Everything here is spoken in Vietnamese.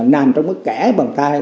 nằm trong cái kẽ bàn tay